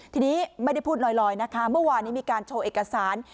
ทีนี้ไม่ได้พูดลอยนะคะเมื่อวานนี้มีการโชว์เอกสาร